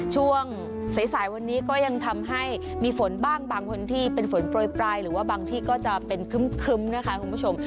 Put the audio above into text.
ช่วงสายวันนี้ก็ยังทำให้มีฝนบ้างบางพื้นที่เป็นฝนโปรยปลายหรือว่าบางที่ก็จะเป็นครึ้มนะคะคุณผู้ชม